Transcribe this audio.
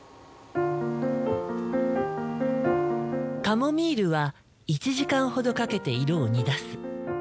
カモミールは１時間ほどかけて色を煮出す。